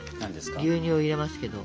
牛乳を入れますけど。